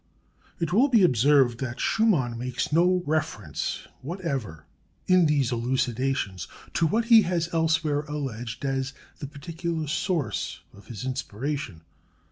It will be observed that Schumann makes no reference whatever in these elucidations to what he has elsewhere alleged as the particular source of his inspiration.